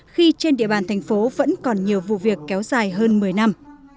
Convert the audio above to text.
khi trên địa bàn thành phố vẫn còn nhiều vụ việc kéo dài hơn một mươi năm